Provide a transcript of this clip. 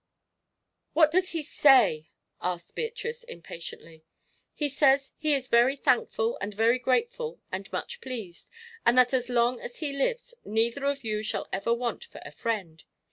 "What does he say?" asked Beatrice, impatiently. "He says he is very thankful and very grateful and much pleased, and that as long as he lives neither of you shall ever want for a friend.